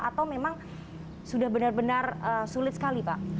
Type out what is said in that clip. atau memang sudah benar benar sulit sekali pak